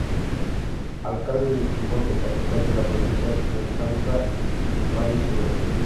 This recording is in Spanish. Alcalde de Chimbote, capital de la Provincia del Santa en varios periodos.